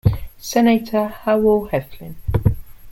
Senator Howell Heflin.